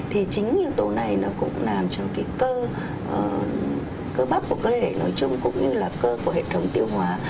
thì chính yếu tố này nó cũng làm cho cái cơ bắp của cơ thể nói chung cũng như là cơ của hệ thống tiêu hóa